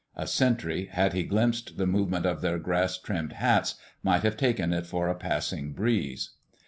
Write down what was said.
A sentry, had he glimpsed the movement of their grass trimmed hats, might have taken it for a passing breeze.